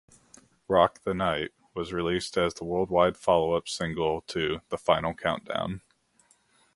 "Rock the Night" was released as the worldwide follow-up single to "The Final Countdown.